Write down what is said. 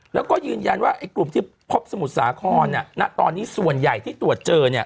แล้วก็ยืนยันว่ากลุ่มที่พบสมุทรสาข้อนี่ตอนนี้ส่วนใหญ่ที่ตรวจเจอ